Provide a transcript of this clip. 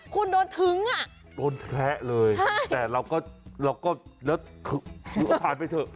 คุณโดนทึ้งอ่ะโดนแท้เลยแต่เราก็เราก็แล้วผ่านไปเถอะ